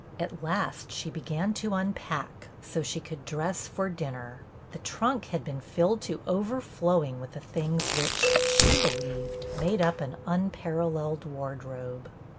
At last she began to unpack, so she could dress for 46 BETTY BAIRD dinner. The trunk had been filled to over flowing with the things which, she believed, made up an unparalleled wardrobe.